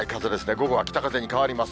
午後は北風に変わります。